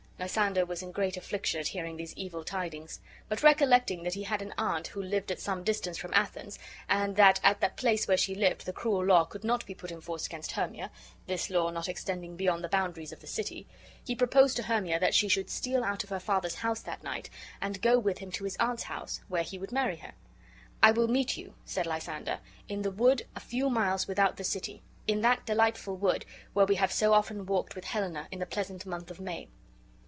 Lysander was in great affliction at hearing these evil tidings; but, recollecting that be had an aunt who lived at some distance from Athens, and that at the place where she lived the cruel law could not be put in force against Hermia (this law not extending beyond the boundaries of the city), he proposed to Hermia that she should steal out of her father's house that night, and go with him to his aunt's house, where he would marry her. "I will meet you," said Lysander, "in the wood a few miles without the city; in that delightful wood where we have so often walked with Helena in the pleasant month of May."